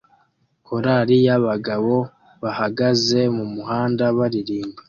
Korali y'abagabo bahagaze mumuhanda baririmba